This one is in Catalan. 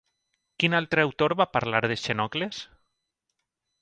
Quin altre autor va parlar de Xenocles?